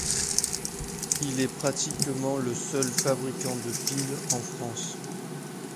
Il est pratiquement le seul fabricant de piles en France.